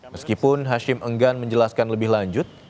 meskipun hashim enggan menjelaskan lebih lanjut